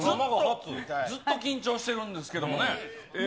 ずっと緊張してるんですけどもね。